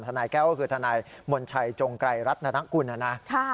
ทนายแก้วก็คือทนายมลชัยจงกัยรัฐนัทกุณธ์นะ